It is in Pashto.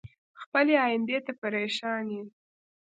خپلې ايندی ته پریشان ين